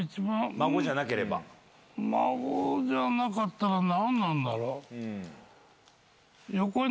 孫じゃなかったら何なんだろう？